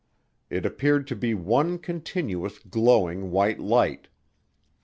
It appeared to be one continuous, glowing white light.